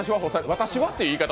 私はっていう言い方